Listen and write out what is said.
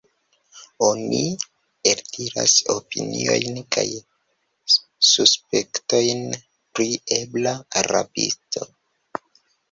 Oni eldiras opiniojn kaj suspektojn pri ebla rabisto.